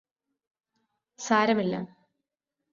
സാരമില്ല